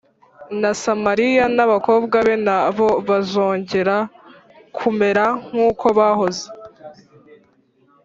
na Samariya n’abakobwa be na bo bazongera kumera nk’uko bahoze